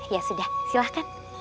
ya sudah silahkan